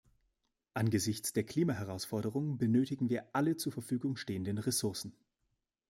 Angesichts der Klimaherausforderung benötigen wir alle zur Verfügung stehenden Ressourcen.